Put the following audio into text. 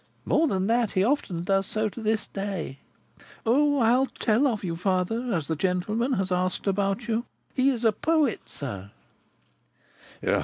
More than that, he often does so to this day. O! I'll tell of you, father, as the gentleman has asked about you. He is a poet, sir."